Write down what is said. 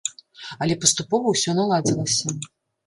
Але паступова ўсё наладзілася.